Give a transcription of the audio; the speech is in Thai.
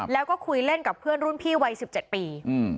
แล้วก็คุยเล่นกับเพื่อนรุ่นพี่วัย๑๗ปี